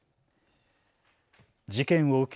事件を受け